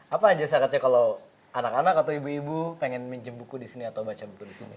apa aja syaratnya kalau anak anak atau ibu ibu pengen minjem buku di sini atau baca buku di sini